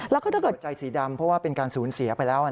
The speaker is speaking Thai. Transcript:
แล้วก็ถ้าเกิดหัวใจสีดำเพราะว่าเป็นการสูญเสียไปแล้ว